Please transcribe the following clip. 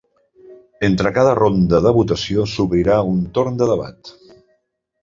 Entre cada ronda de votació s’obrirà un torn de debat.